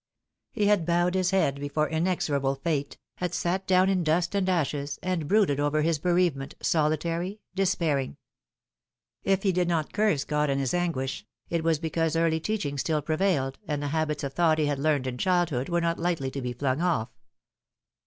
He had bowed his head before inexorable Fate, had sat down in dust and ashes, and brooded over his bereavement, solitary, despairing. If he did not curse God in his anguish, it was because early teaching still prevailed, and the habits of thought he had learned in childhood were not lightly to be flung off.